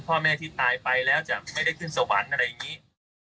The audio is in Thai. พ่อแม่ที่ตายไปแล้วจะไม่ได้ขึ้นสวรรค์อะไรอย่างนี้